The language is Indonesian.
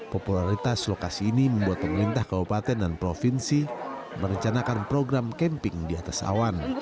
popularitas lokasi ini membuat pemerintah kabupaten dan provinsi merencanakan program camping di atas awan